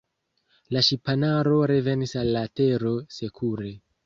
La ŝipanaro revenis al la Tero sekure.